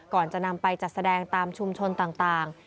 ก่อนจะนำไปจัดแสดงตามชุมชนต่าง